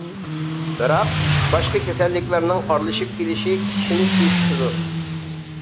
بىراق، باشقا كېسەللىكلەرنىڭ ئارىلىشىپ كېلىشى كىشىنى چۆچۈتىدۇ.